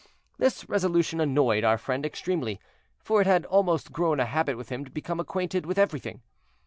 This resolution annoyed our friend extremely, for it had almost grown a habit with him to become acquainted with everything.